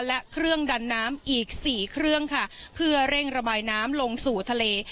และเครื่องดันน้ำอีกสี่เครื่องค่ะเพื่อเร่งระบายน้ำลงสู่ทะเล